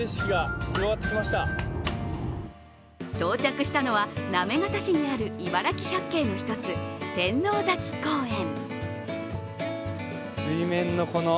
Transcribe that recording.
到着したのは行方市にある茨城百景の一つ、天王崎公園。